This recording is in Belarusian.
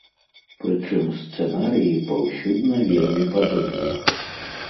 Прычым сцэнарыі паўсюдна вельмі падобныя.